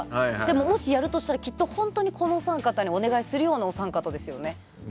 もしやるとしたら本当にこのお三方にお願いするようなお三方ですよね。